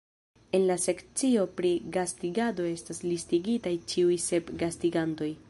En la sekcio pri gastigado estas listigitaj ĉiuj sep gastigantoj.